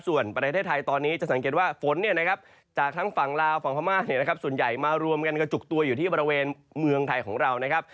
ส่วนประเทศไทยตอนนี้จะสังเกตว่าฝนจากทั้งฝั่งลาวฝั่งพม่าส่วนใหญ่มารวมกันกระจุกตัวอยู่ที่บริเวณเมืองไทยของเรา